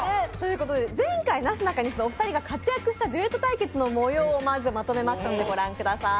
前回、なすなかにしのお二人が活躍したデュエット対決の模様をまず、まとめましたのでご覧ください。